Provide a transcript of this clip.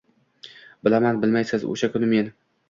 Bilaman, bilmaysiz o’sha kuni men